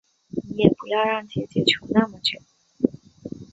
你也不要让姐姐求那么久